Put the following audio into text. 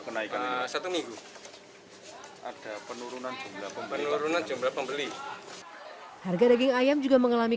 kenaikan satu minggu ada penurunan jumlah pembeli harga daging ayam juga mengalami